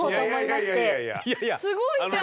すごいじゃん。